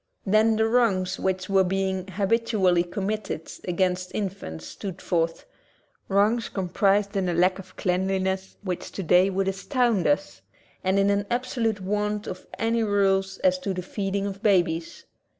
Then the wrongs which were being habit ually committed against infants stood forth, wrongs comprised in a lack of cleanliness which today would astound us and in an ab solute want of any rules as to the feeding of babies.